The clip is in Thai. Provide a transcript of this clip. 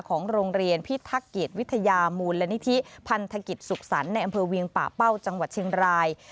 ของโรงเรียนพิทักเกียรติวิทยามูลนิธิพันธกิจสุขสรรค์ในอำเภอเวียงป่าเป้าจังหวัดเชียงราย